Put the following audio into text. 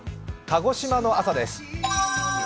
鹿児島の朝です。